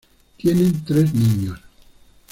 Tienen tres niños.